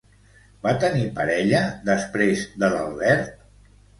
Va tenir parella després de l'Albert?